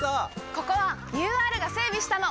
ここはＵＲが整備したの！